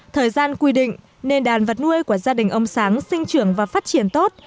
thời gian quy định nên đàn vật nuôi của gia đình ông sáng sinh trưởng và phát triển tốt